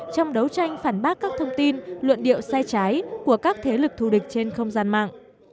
trong đấu tranh phản bác các thông tin luận điệu sai trái của các thế lực thù địch trên không gian mạng